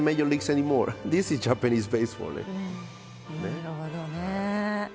なるほどね。